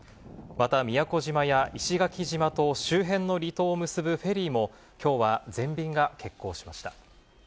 また宮古島や石垣島と周辺の離島を結ぶフェリーも、きょうは全便が欠航しました。